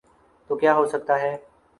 اورکیا ہوسکتاہے؟